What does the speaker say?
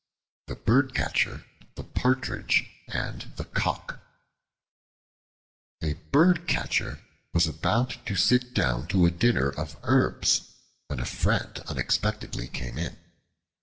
The Birdcatcher, the Partridge, and the Cock A BIRDCATCHER was about to sit down to a dinner of herbs when a friend unexpectedly came in.